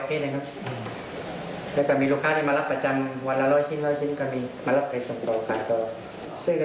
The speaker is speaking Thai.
เขาก็มีกำลังใจทำเขาทำงานตื่นแต่ปี๔ขึ้นนะ